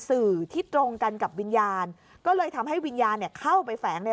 สื่อที่ตรงกันกับวิญญาณก็เลยทำให้วิญญาณเนี่ยเข้าไปแฝงใน